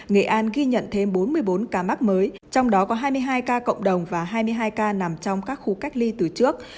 nghệ an ghi nhận thêm bốn mươi bốn ca mắc mới trong đó có hai mươi hai ca cộng đồng và hai mươi hai ca nằm trong các khu cách ly từ trước